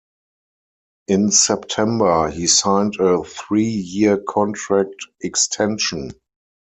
In September, he signed a three-year contract extension.